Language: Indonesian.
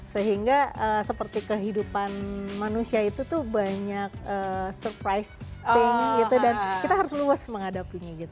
sehingga seperti kehidupan manusia itu tuh banyak surprise thing gitu dan kita harus luas menghadapinya gitu